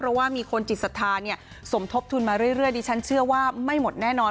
เพราะว่ามีคนจิตศรัทธาเนี่ยสมทบทุนมาเรื่อยดิฉันเชื่อว่าไม่หมดแน่นอน